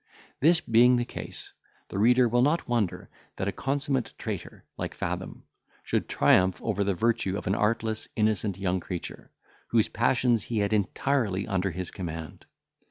This being the case, the reader will not wonder that a consummate traitor, like Fathom, should triumph over the virtue of an artless, innocent young creature, whose passions he had entirely under his command.